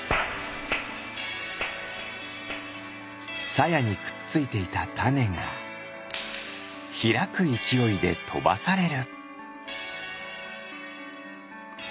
さやにくっついていたたねがひらくいきおいでとばされる。